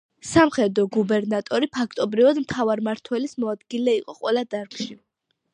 სამხედრო გუბერნატორი ფაქტობრივად მთავარმმართველის მოადგილე იყო ყველა დარგში.